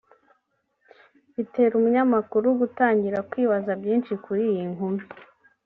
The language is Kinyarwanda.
bitera umunyamakuru gutangira kwibaza byinshi kuri iyi nkumi